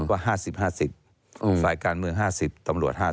ว่า๕๐๕๐สายการเมือง๕๐ตำรวจ๕๐